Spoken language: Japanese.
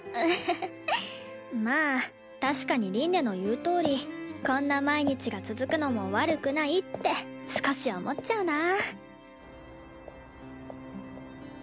まあ確かに凛音の言うとおりこんな毎日が続くのも悪くないって少し思っちゃうな。